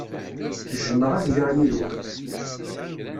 Jjmeɣ ad iliɣ yid-went.